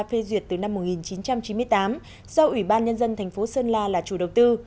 phê duyệt từ năm một nghìn chín trăm chín mươi tám do ủy ban nhân dân thành phố sơn la là chủ đầu tư